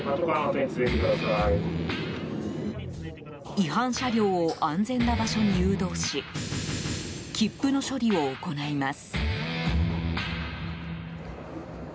違反車両を安全な場所に誘導し切符の処理を行います。